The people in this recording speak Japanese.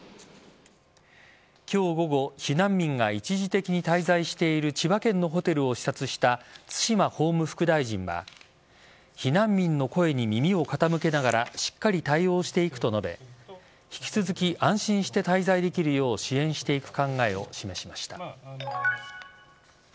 今日午後避難民が一時的に滞在している千葉県のホテルを視察した津島法務副大臣は避難民の声に耳を傾けながらしっかり対応していくと述べ引き続き安心して滞在できるよう支援していく考えを示しました。